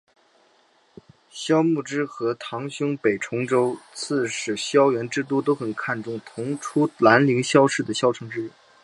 萧摹之和堂兄北兖州刺史萧源之都很看重同出兰陵萧氏的萧承之。